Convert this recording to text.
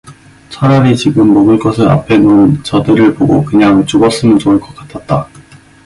차라리 지금 먹을 것을 앞에 논 저들을 보고 그만 죽었으면 좋을 것 같았다.